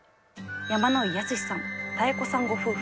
山野井泰史さん妙子さんご夫婦。